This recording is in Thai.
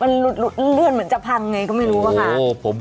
มันหลุดเหมือนจะพังไงก็ไม่รู้ว่ะค่ะ